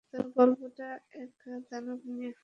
তবে গল্পটা এক দানবকে নিয়ে।